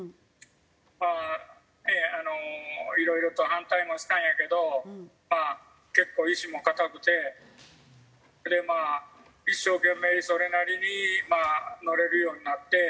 まあいろいろと反対もしたんやけどまあ結構意志も固くてまあ一生懸命それなりに乗れるようになって。